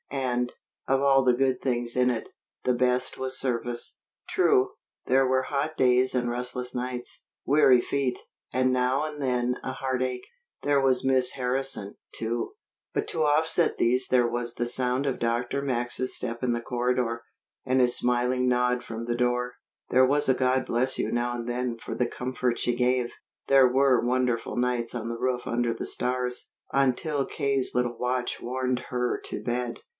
And, of all the good things in it, the best was service. True, there were hot days and restless nights, weary feet, and now and then a heartache. There was Miss Harrison, too. But to offset these there was the sound of Dr. Max's step in the corridor, and his smiling nod from the door; there was a "God bless you" now and then for the comfort she gave; there were wonderful nights on the roof under the stars, until K.'s little watch warned her to bed.